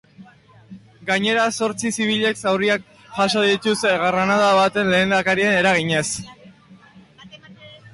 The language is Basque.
Gainera, zortzi zibilek zauriak jaso dituzte granada baten leherketaren eraginez.